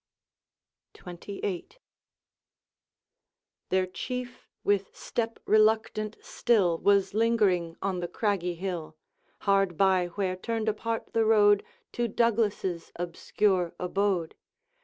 XXVI Their Chief with step reluctant still Was lingering on the craggy hill, Hard by where turned apart the road To Douglas's obscure abode.